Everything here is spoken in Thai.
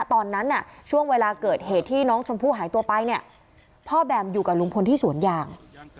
ตอนนั้นช่วงเวลาเกิดเหตุที่น้องชมพู่หายตัวไปเนี่ยพ่อแบมอยู่กับลุงพลที่สวนยาง